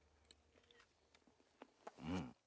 うん。